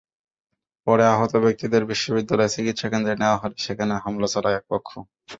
পরে আহত ব্যক্তিদের বিশ্ববিদ্যালয়ের চিকিৎসাকেন্দ্রে নেওয়া হলে সেখানেও হামলা চালায় একপক্ষ।